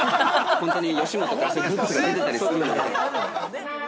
本当に吉本からそういうグッズが出てたりするので。